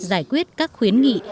giải quyết các khuyến nghị